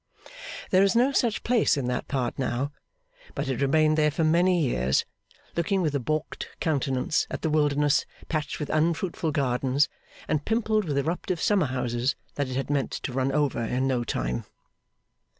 There is no such place in that part now; but it remained there for many years, looking with a baulked countenance at the wilderness patched with unfruitful gardens and pimpled with eruptive summerhouses, that it had meant to run over in no time.